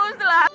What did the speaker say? itu pot ibu